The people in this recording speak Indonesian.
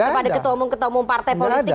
kepada ketua umum partai politik